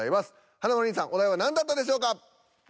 華丸兄さんお題は何だったでしょうか？